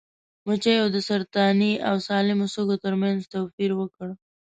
مچیو د سرطاني او سالمو سږو ترمنځ توپیر وکړ.